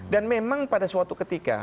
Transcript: dan memang pada suatu ketika